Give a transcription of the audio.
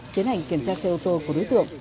tiến hành kiểm tra xe ô tô của đối tượng